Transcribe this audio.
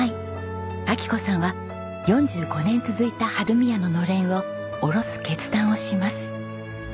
昭子さんは４５年続いた春見屋ののれんを下ろす決断をします。